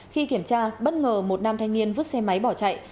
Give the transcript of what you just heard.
khi kiểm tra bất ngờ một nam thanh niên vứt xe máy bỏ chạy